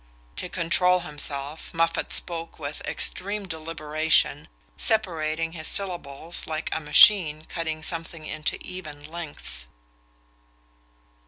To control himself Moffatt spoke with extreme deliberation, separating his syllables like a machine cutting something into even lengths.